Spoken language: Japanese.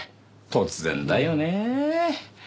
突然だよねえ。